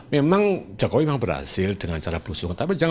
memang jokowi memang berhasil dengan cara blusung